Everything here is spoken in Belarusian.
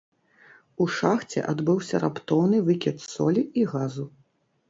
У шахце адбыўся раптоўны выкід солі і газу.